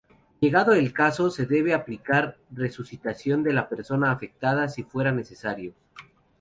Llegado el caso, se debe aplicar resucitación de la persona afectada si fuera necesario.